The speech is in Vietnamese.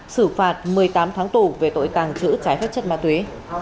xử phạt một mươi tám tháng tù về tội tàng trữ trái phép chất ma túy